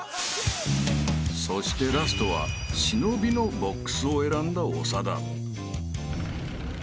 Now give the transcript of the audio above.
［そしてラストは「忍」のボックスを選んだ長田］